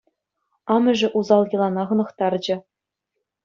Амӑшӗ усал йӑлана хӑнӑхтарчӗ.